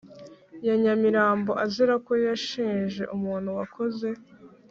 Ya nyamirambo azira ko yashinje umuntu wakoze